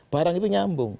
barang itu nyambung